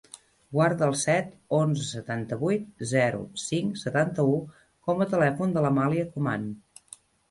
Guarda el set, onze, setanta-vuit, zero, cinc, setanta-u com a telèfon de l'Amàlia Coman.